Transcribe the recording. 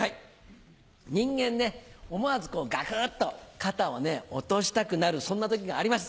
人間思わずガクっと肩を落としたくなるそんな時があります！